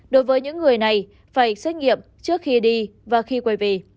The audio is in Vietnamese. đối với những người này phải xét nghiệm trước khi đi và khi quay về